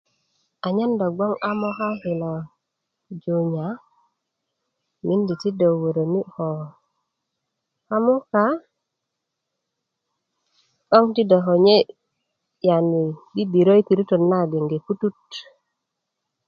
anyen do bgwoŋ a moka kilo junya mindi ti do woroni ko kamuka 'boŋ ti do konye yani bibirö i piritön na putut